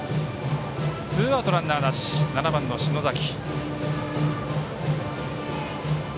ツーアウトランナーなし７番の篠崎。